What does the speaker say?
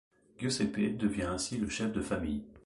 Giuseppe devient ainsi le chef de famille.